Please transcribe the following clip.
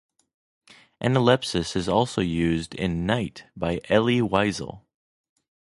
Analepsis is also used in "Night" by Elie Wiesel.